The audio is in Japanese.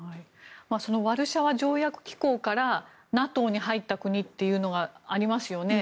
そのワルシャワ条約機構からＮＡＴＯに入った国というのがありますよね。